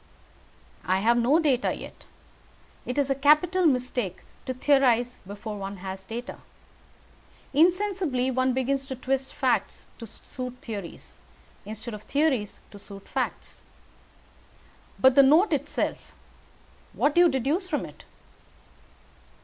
"I have no data yet. It is a capital mistake to theorize before one has data. Insensibly one begins to twist facts to suit theories, instead of theories to suit facts. But the note itself what do you deduce from it?"